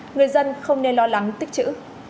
người dân không nên lo lắng tích chữ